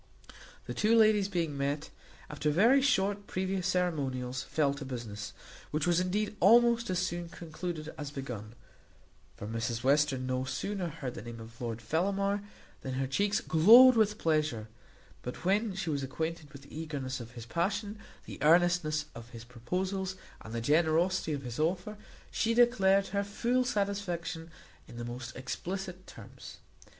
The two ladies being met, after very short previous ceremonials, fell to business, which was indeed almost as soon concluded as begun; for Mrs Western no sooner heard the name of Lord Fellamar than her cheeks glowed with pleasure; but when she was acquainted with the eagerness of his passion, the earnestness of his proposals, and the generosity of his offer, she declared her full satisfaction in the most explicit terms.